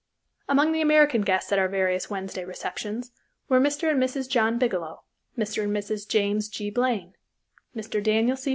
Among the American guests at our various Wednesday receptions were Mr. and Mrs. John Bigelow, Mr. and Mrs. James G. Blaine, Mr. Daniel C.